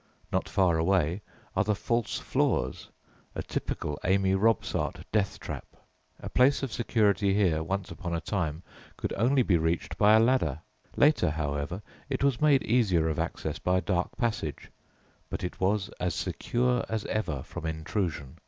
Not far away are "the false floors," a typical Amy Robsart death trap! A place of security here, once upon a time, could only be reached by a ladder; later, however, it was made easier of access by a dark passage, but it was as secure as ever from intrusion.